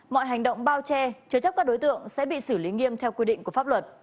mọi hành động bao che chứa chấp các đối tượng sẽ bị xử lý nghiêm theo quy định của pháp luật